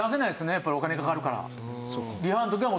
やっぱりお金かかるから。